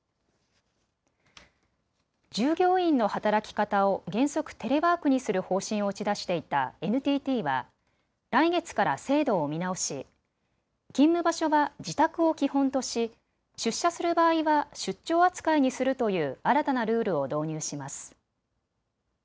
従業員の働き方を原則テレワークにする方針を打ち出していたＮＴＴは来月から制度を見直し勤務場所は自宅を基本とし出社する場合は出張扱いにするという新たなルールを導入します。